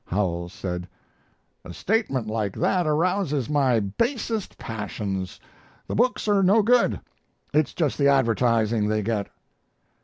Howells said: "A statement like that arouses my basest passions. The books are no good; it's just the advertising they get."